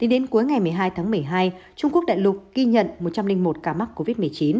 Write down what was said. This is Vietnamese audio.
đến cuối ngày một mươi hai tháng một mươi hai trung quốc đại lục ghi nhận một trăm linh một ca mắc covid một mươi chín